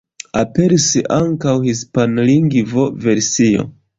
Aperis ankaŭ hispanlingva versio.